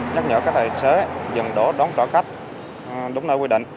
nhắc nhở các tài xế dừng đổ đón trở khách đúng nơi quy định